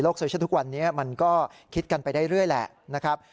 โซเชียลทุกวันนี้มันก็คิดกันไปเรื่อยแหละนะครับ